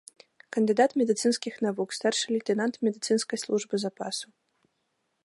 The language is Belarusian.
Кандыдат медыцынскіх навук, старшы лейтэнант медыцынскай службы запасу.